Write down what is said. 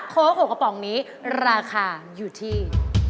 โค้ก๖กระป๋องนี้ราคาอยู่ที่